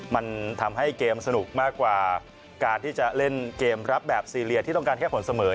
มันทำให้เกมสนุกมากกว่าการที่จะเล่นเกมรับแบบซีเรียที่ต้องการแค่ผลเสมอ